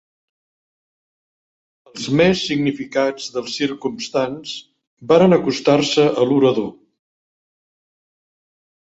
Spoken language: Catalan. Els més significats dels circumstants varen acostar-se a l'orador